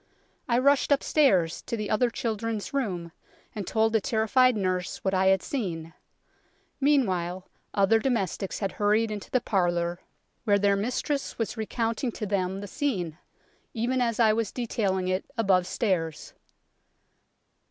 I rushed upstairs to the other children's room, and told the terrified nurse what I had seen. Meanwhile other domestics had hurried into the parlour, where their mistress was re GHOSTS IN THE TOWER OF LONDON 63 counting to them the scene, even as I was detail ing it above stairs.